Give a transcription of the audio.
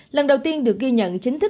lần đầu tiên được ghi nhận chính thức